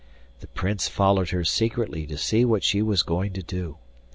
The Prince followed her secretly to see what she was going to do.